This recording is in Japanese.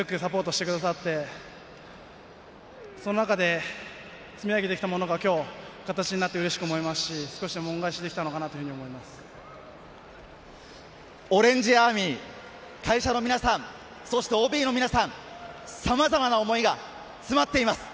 会社の皆さんに根強くサポートしてくださって、その中で積み上げてきたものがきょう、形になって嬉しく思いますし、少しでもオレンジアーミー、会社の皆さん、そしてＯＢの皆さん、さまざまな思いが詰まっています。